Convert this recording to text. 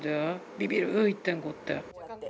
ビビる１．５って。